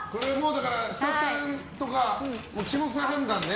スタッフさんとか岸本さん判断ね。